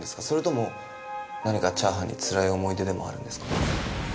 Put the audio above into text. それとも何かチャーハンにつらい思い出でもあるんですか？